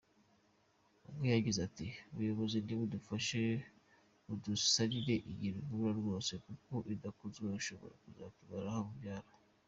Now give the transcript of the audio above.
Umwe yagize ati “ Ubuyobozi nibudufashe budusanire iyi ruhurura rwose, kuko idakozwe ishobora kuzatumaraho urubyaro.